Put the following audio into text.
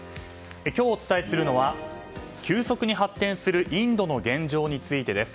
今日お伝えするのは急速に発展するインドの現状についてです。